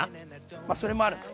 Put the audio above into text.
まあそれもあるね。